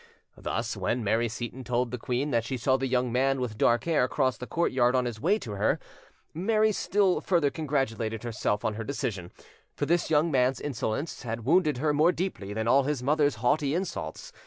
Thus, when Mary Seyton told the queen that she saw the young man with dark hair cross the courtyard on his way to her, Mary still further congratulated herself on her decision; for this young man's insolence had wounded her more deeply than all his mother's haughty insults.